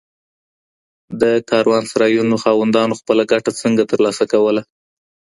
د کاروانسرایونو خاوندانو خپله ګټه څنګه ترلاسه کوله؟